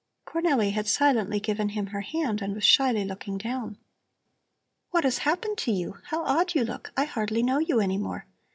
Cornelli had silently given him her hand and was shyly looking down. "What has happened to you? How odd you look! I hardly know you any more!